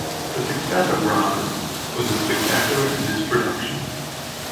The success of "Robert" was as spectacular as its production.